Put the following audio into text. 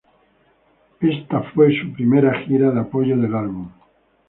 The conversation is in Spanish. Esta fue su primera gira de apoyo del álbum.